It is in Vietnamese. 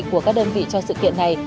của các đơn vị cho sự kiện này